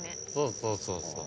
そうそうそうそう。